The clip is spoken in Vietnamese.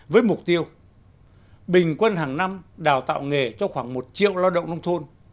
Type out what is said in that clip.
với mục tiêu bình quân hàng năm đào tạo nghề cho khoảng một triệu lao động nông thôn